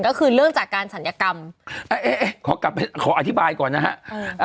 ก็คือเรื่องจากการศัลยกรรมอ่าเอ๊ะขอกลับขออธิบายก่อนนะฮะ